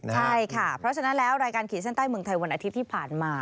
ใช่ค่ะเพราะฉะนั้นแล้วรายการขีดเส้นใต้เมืองไทยวันอาทิตย์ที่ผ่านมา